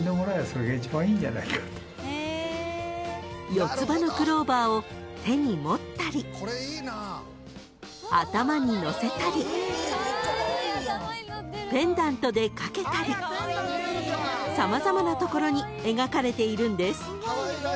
［四つ葉のクローバーを手に持ったり頭にのせたりペンダントで掛けたり様々な所に描かれているんです］